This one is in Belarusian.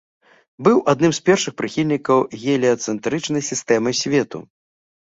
Быў адным з першых прыхільнікаў геліяцэнтрычнай сістэмы свету.